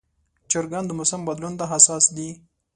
چرګان د موسم بدلون ته حساس دي.